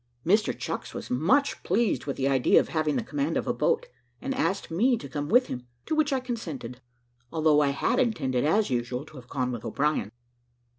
Mr Chucks was much pleased with the idea of having the command of a boat, and asked me to come with him, to which I consented, although I had intended as usual, to have gone with O'Brien.